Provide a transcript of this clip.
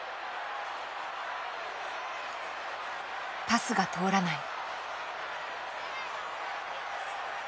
パスが通らない。